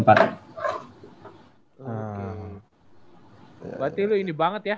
berarti lu ini banget ya